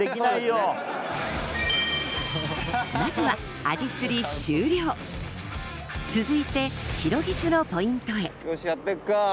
まずはアジ釣り終了続いてシロギスのポイントへよしやってくか。